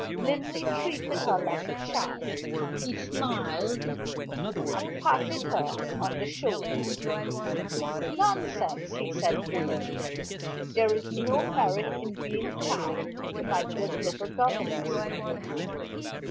Linley treated her like a child; he smiled, and patted her on the shoulder. "Nonsense!" he said gayly. "There is no merit in being kind to my good little governess."